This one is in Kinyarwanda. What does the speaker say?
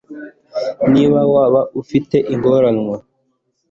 niba waba ufite ingononwa